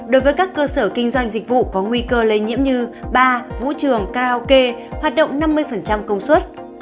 đối với các cơ sở kinh doanh dịch vụ có nguy cơ lây nhiễm như bar vũ trường karaoke hoạt động năm mươi công suất